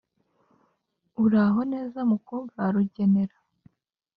uraho neza mukobwa wa rugenera?"